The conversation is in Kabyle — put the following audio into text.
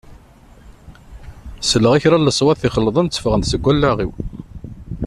Selleɣ i kra n leṣwat ixelḍen tteffɣen-d seg wallaɣ-iw.